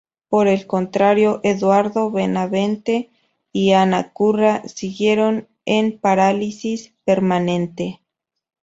Por el contrario, Eduardo Benavente y Ana Curra, siguieron en Parálisis Permanente.